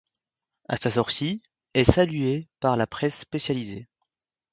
A sa sortie, ' est salué par la presse spécialisée.